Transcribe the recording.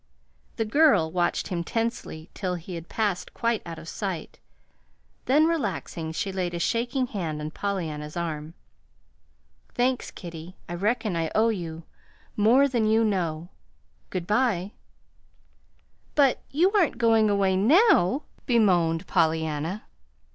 The girl watched him tensely till he passed quite out of sight, then, relaxing, she laid a shaking hand on Pollyanna's arm. "Thanks, kiddie. I reckon I owe you more than you know. Good by." "But you aren't going away NOW!" bemoaned Pollyanna.